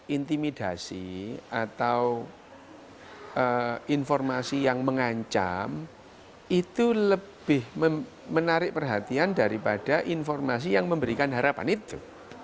intimidasi atau informasi yang mengancam itu lebih menarik perhatian daripada informasi yang memberikan harapan itu